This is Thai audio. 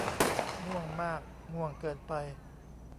ง่วงมาก ง่วงเกินไป